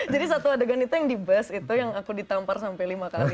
jadi satu adegan itu yang di buzz itu yang aku ditampar sampai lima kali